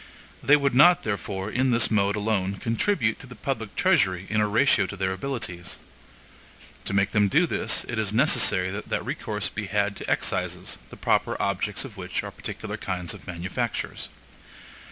They would not, therefore, in this mode alone contribute to the public treasury in a ratio to their abilities. To make them do this it is necessary that recourse be had to excises, the proper objects of which are particular kinds of manufactures.